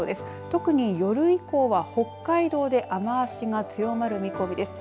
特に夜以降は北海道で雨足が強まる見込みです。